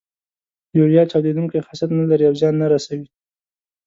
یوریا چاودیدونکی خاصیت نه لري او زیان نه رسوي.